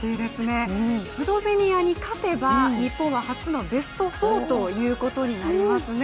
スロベニアに勝てば日本は初のベスト４ということになりますね。